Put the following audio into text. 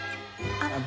あっ！